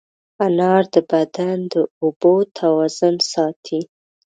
انار د بدن د اوبو توازن ساتي.